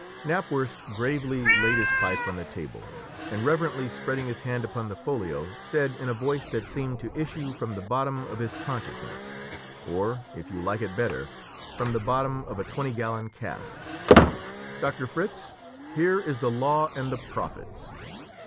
Knapwurst gravely laid his pipe on the table, and reverently spreading his hand upon the folio, said in a voice that seemed to issue from the bottom of his consciousness; or, if you like it better, from the bottom of a twenty gallon cask "Doctor Fritz, here is the law and the prophets!"